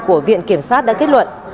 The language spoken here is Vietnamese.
của viện kiểm sát đã kết luận